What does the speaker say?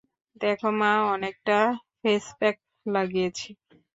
দেখো মা, অনেকটা ফেসপ্যাক লাগিয়েছি।